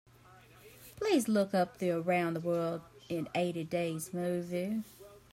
Please look up the Around the World in Eighty Days movie.